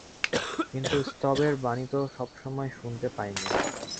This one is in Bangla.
কিন্তু স্তবের বাণী তো সব সময় শুনতে পাই নে।